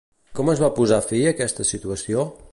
Com es va posar fi a aquesta situació?